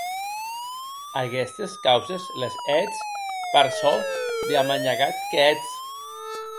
Aguestes causes les hètz per çò de amanhagat qu’ètz.